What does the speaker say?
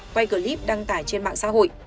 quay clip đăng tải trên mạng xã hội